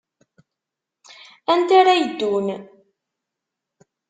Anta ara yeddun?